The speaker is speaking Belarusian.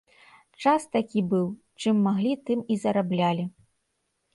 Час такі быў, чым маглі, тым і зараблялі.